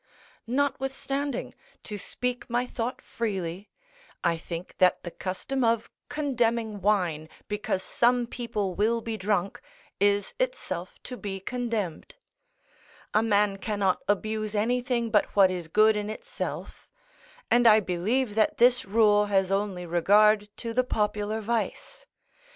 Notwithstanding, to speak my thought freely, I think that the custom of condemning wine, because some people will be drunk, is itself to be condemned; a man cannot abuse anything but what is good in itself; and I believe that this rule has only regard to the popular vice.